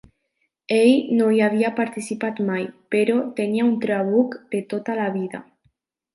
Ell no hi havia participat mai, però tenia un trabuc de tota la vida.